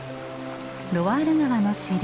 ロワール川の支流